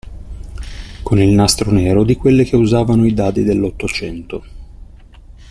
Con il nastro nero di quelle che usavano i dadi dell'Ottocento.